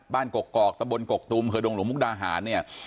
บ้านกกกอกตะบนกกตูมเผอดงหลวงมุกดาหาเนี่ย